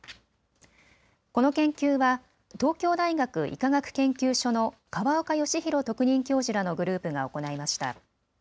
この研究は東京大学医科学研究所の河岡義裕特任教授らのグループが行いました。